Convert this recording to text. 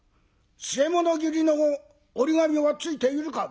据物斬りの折り紙はついているか？」。